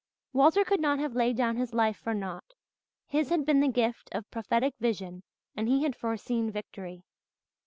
Walter could not have laid down his life for naught. His had been the gift of prophetic vision and he had foreseen victory.